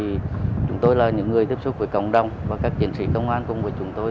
thì đi cộng đồng chúng tôi là những người tiếp xúc với cộng đồng và các chiến sĩ công an cùng với chúng tôi